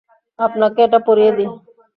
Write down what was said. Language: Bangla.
আপনাকে এটা পরিয়ে দিই।